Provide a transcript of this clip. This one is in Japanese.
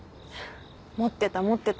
持ってた持ってた。